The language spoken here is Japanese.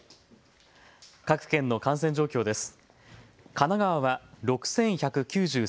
各県の感染状況です。